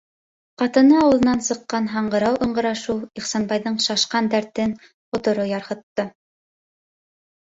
Ҡатыны ауыҙынан сыҡҡан һаңғырау ыңғырашыу Ихсанбайҙың шашҡан дәртен оторо ярһытты.